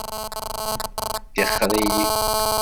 Tixxeṛ-iyi!